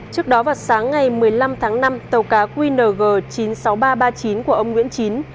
trước đó vào sáng ngày một mươi năm tháng năm tàu cá qng chín mươi sáu nghìn ba trăm ba mươi chín của ông nguyễn chín